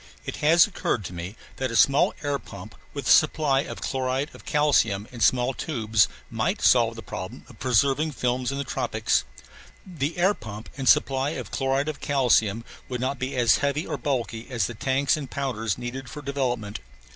It has occurred to me that a small air pump with a supply of chloride of calcium in small tubes might solve the problem of preserving films in the tropics. The air pump and supply of chloride of calcium would not be as heavy or bulky as the tanks and powders needed for development.